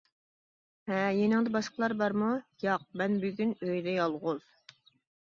-ھە، يېنىڭدا باشقىلار بارمۇ؟ -ياق، مەن بۈگۈن ئۆيدە يالغۇز.